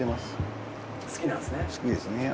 好きなんですね。